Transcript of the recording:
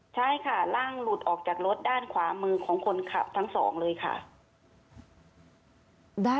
ใช่ค่ะร่างหลุดออกจากรถด้านขวามือของคนขับทั้งสองเลยค่ะ